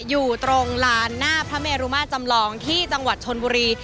อยู่ตรงลานหน้าพระเมรุมาจำลองที่จังหวัดชนบุรี